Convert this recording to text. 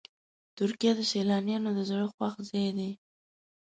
ترکیه د سیلانیانو د زړه خوښ ځای دی.